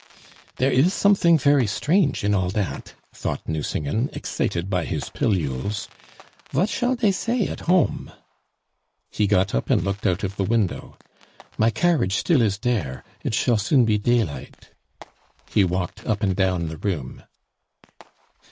"Dere is someting fery strange in all dat," thought Nucingen, excited by his pillules. "Vat shall dey say at home?" He got up and looked out of the window. "My carriage still is dere. It shall soon be daylight." He walked up and down the room.